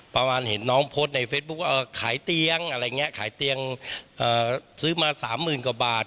ประมาณเห็นน้องโพสต์ในเฟซบุ๊คว่าขายเตียงอะไรอย่างนี้ขายเตียงซื้อมาสามหมื่นกว่าบาท